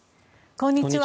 こんにちは。